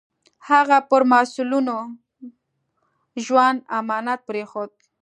هغه پر مسوولانه ژوند امانت پرېښود.